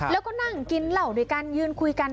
แล้วก็นั่งกินเหล้าด้วยกันยืนคุยกัน